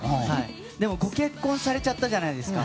でもご結婚されちゃったじゃないですか。